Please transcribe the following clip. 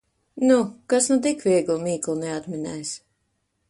Nu, kas nu tik vieglu mīklu neatminēs!